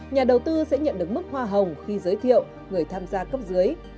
nhà đầu tư sẽ nhận được mức hoa hồng khi giới thiệu người tham gia cấp dưới